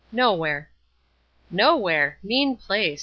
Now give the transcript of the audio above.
"Nowhere." "Nowhere! Mean place.